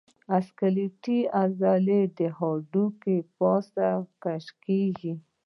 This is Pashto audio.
سکلیټي عضلې د هډوکو د پاسه کش کېږي.